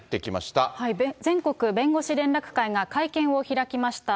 全国弁護士連絡会が会見を開きました。